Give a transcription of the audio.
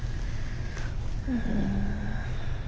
うん。